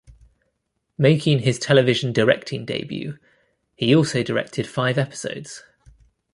Making his television directing debut, he also directed five episodes.